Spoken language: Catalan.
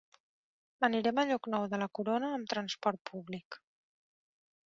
Anirem a Llocnou de la Corona amb transport públic.